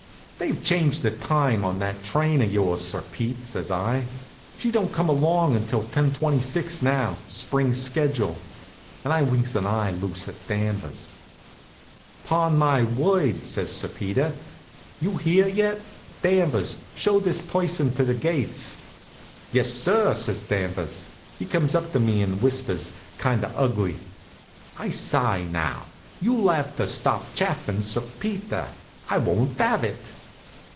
"They've changed the time on that train of yours, Sir Pete," says I. "She don't come along until ten twenty six now, spring schedule," and I winks an eye loose at Danvers. "'Pon my word!" says Sir Peter, "you here yet? Danvers, show this person to the gates." "Yes, sir," says Danvers. He comes up to me an' whispers, kind of ugly: "I sye now, you'll 'ave to stop chaffin' Sir Peter. I won't 'ave it!"